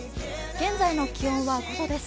現在の気温は５度です。